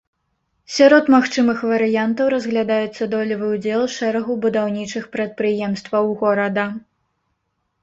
Сярод магчымых варыянтаў разглядаецца долевы ўдзел шэрагу будаўнічых прадпрыемстваў горада.